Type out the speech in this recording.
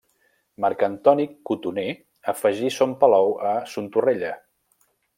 Marc Antoni Cotoner afegí Son Palou a Son Torrella.